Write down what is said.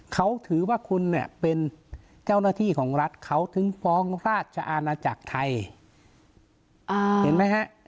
เขาถือว่าคุณเนี่ยเป็นเจ้าหน้าที่ของรัฐเขาถึงฟ้องราชอาณาจักรไทยเห็นไหมฮะ